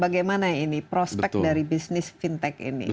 bagaimana ini prospek dari bisnis fintech ini